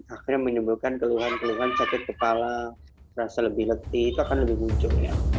akhirnya menimbulkan keluhan keluhan sakit kepala rasa lebih letih itu akan lebih muncul